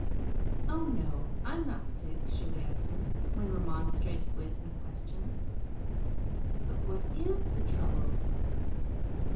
"Oh, no, I'm not sick," she would answer, when remonstrated with, and questioned. "But what IS the trouble?"